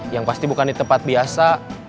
yang pasti bukan di tempat biasa